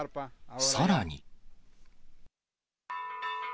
さらに。